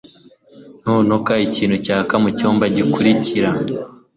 ntunuka ikintu cyaka mucyumba gikurikira